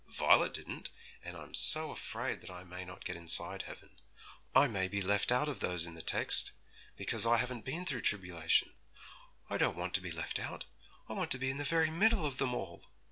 Violet didn't, and I'm so afraid I may not get inside heaven. I may be left out of those in the text, because I haven't been through tribulation. I don't want to be left out; I want to be in the very middle of them all!